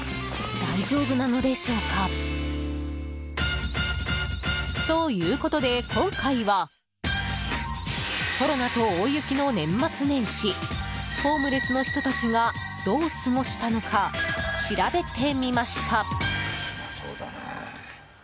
大丈夫なのでしょうか。ということで今回はコロナと大雪の年末年始ホームレスの人たちがどう過ごしたのか調べてみました。